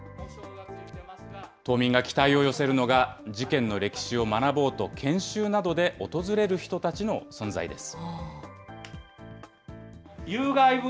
島民が期待を寄せるのが、事件の歴史を学ぼうと、研修などで訪れる人たちの存在です。